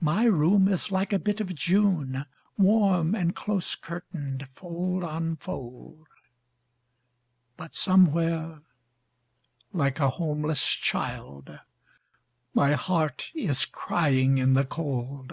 My room is like a bit of June, Warm and close curtained fold on fold, But somewhere, like a homeless child, My heart is crying in the cold.